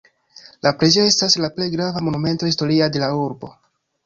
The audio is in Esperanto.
La preĝejo estas la plej grava Monumento historia de la urbo.